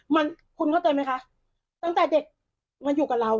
มันคุณเข้าใจไหมคะตั้งแต่เด็กมาอยู่กับเรา